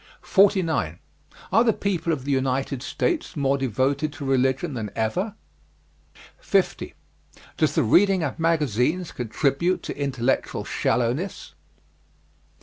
49. Are the people of the United States more devoted to religion than ever? 50. Does the reading of magazines contribute to intellectual shallowness?